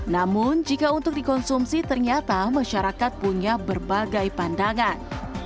namun jika untuk dikonsumsi ternyata masyarakat punya berbagai pandangan